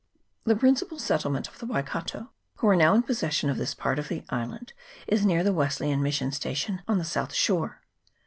The principal settlement of the Waikato, who are now in possession of this part of the island, is near the Wesleyan mission station on the south shore.